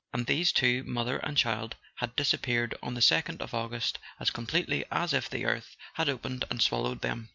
And these two, mother and child, had disappeared on the second of August as completely as if the earth had opened and swallowed them.